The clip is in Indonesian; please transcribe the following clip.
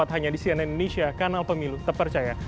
hanya di cnn indonesia kanal pemilu terpercaya